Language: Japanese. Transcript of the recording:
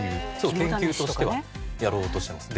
研究としてはやろうとしてます。